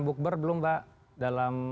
bukber belum mbak dalam